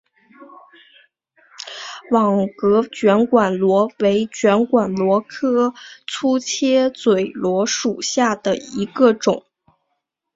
网格卷管螺为卷管螺科粗切嘴螺属下的一个种。